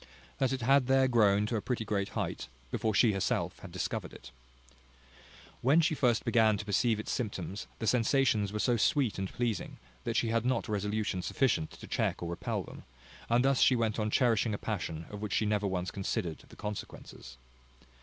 That it had there grown to a pretty great height before she herself had discovered it. When she first began to perceive its symptoms, the sensations were so sweet and pleasing, that she had not resolution sufficient to check or repel them; and thus she went on cherishing a passion of which she never once considered the consequences.